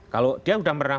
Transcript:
kalau dia sudah pernah